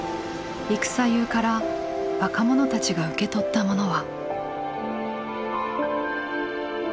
「戦世」から若者たちが受け取ったものは。